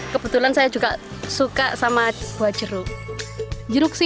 kebetulan saya juga suka sama buah jeruk sih